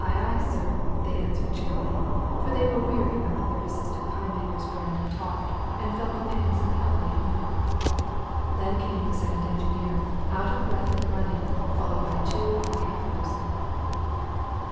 "Aye, aye, sir," they answered cheerily, for they were weary of the third assistant pie maker's brand of talk and felt the pangs of healthy hunger. Then came the second engineer, out of breath with running, followed by two or three helpers.